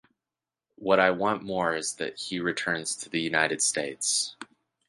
What I want more is that he returns to the United States.